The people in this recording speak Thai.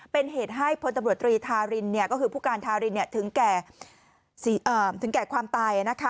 เป็นเหตุให้พลตำรวจตรีธารินเป็นเหตุประกอบที่ถึงแก่ความตาย